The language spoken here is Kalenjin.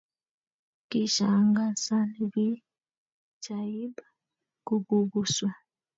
Kishangasan pichaitab kibubuswa